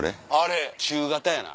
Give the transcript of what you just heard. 中型やな。